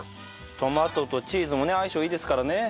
トマトとチーズもね相性いいですからね。